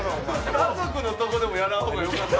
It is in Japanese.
家族のとこでもやらんほうがよかった。